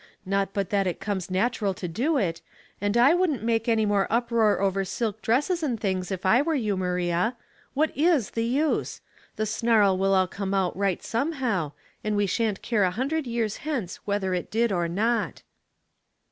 Not but that it comes natural to do it; and I wouldn't make any more uproar over silk dresses and things if I were you, ]\Iaria. What is the use? The snarl will all come out right some how, and we shan't care a hundred years hence whether it did or not."